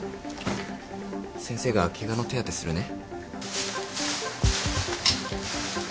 先生がケガの手当てするね。